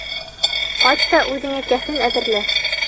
Ҡайт та үҙеңә кәфен әҙерлә!